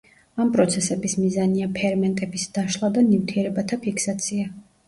ამ პროცესების მიზანია ფერმენტების დაშლა და ნივთიერებათა ფიქსაცია.